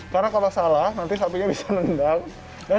karena kalau salah nanti sapinya bisa nendang